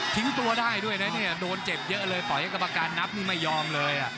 ตัวได้ด้วยนะเนี่ยโดนเจ็บเยอะเลยปล่อยให้กรรมการนับนี่ไม่ยอมเลย